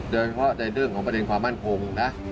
ด้วยเหรอในเรื่องของประเทศความมั่นควง